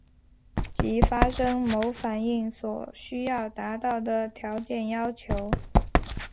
即发生某反应所需要达到的条件要求。